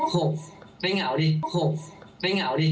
หกไม่เหงาดิหกไม่เหงาดิ